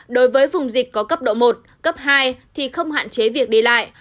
đối với vùng dịch có cấp độ một cấp hai thì không hạn chế việc đi lại